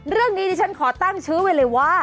เรื่องนี้ที่ฉันขอตั้งชื้อไว้เลยว่า